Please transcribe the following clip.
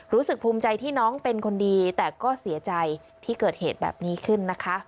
รู้สึกภูมิใจที่น้องเป็นคนดีแต่ก็เสียใจที่เกิดเหตุแบบนี้ขึ้นนะคะ